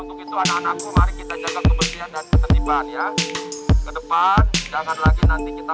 untuk itu anak anakku mari kita jaga kebersihan dan ketertiban ya ke depan jangan lagi nanti kita